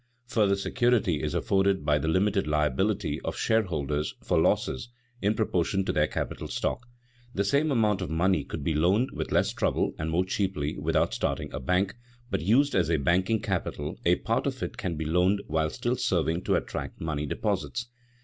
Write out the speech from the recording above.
Further security is afforded by the limited liability of shareholders for losses, in proportion to their capital stock. The same amount of money could be loaned with less trouble and more cheaply without starting a bank, but used as a banking capital a part of it can be loaned while still serving to attract money deposits.